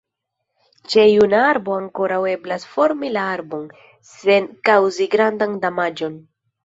Ĉe juna arbo ankoraŭ eblas formi la arbon, sen kaŭzi grandan damaĝon.